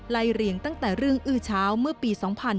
เรียงตั้งแต่เรื่องอื้อเช้าเมื่อปี๒๕๕๙